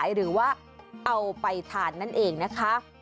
หรือว่าเอาไปทานนั่นเองนะคะ